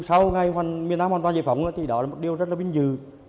sau ngày miền nam hoàn toàn giải phóng thì đó là một điều rất là vinh dự